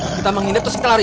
kita menghindar terus kita lari